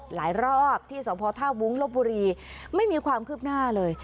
หลายรอบที่สมภาษณ์ท่าวุ้งลบบุรีไม่มีความคืบหน้าเลย